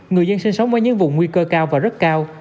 người dân sinh sống ở những vùng nguy cơ cao và rất cao